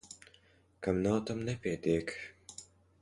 Kam nav, tam nepietiek.